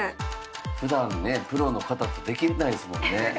ふだんねプロの方とできないですもんね。